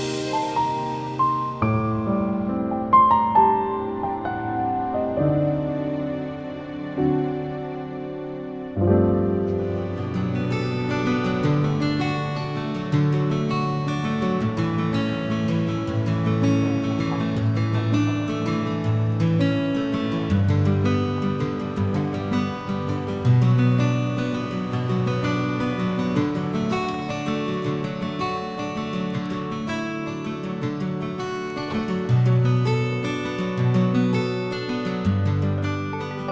semua yang tahu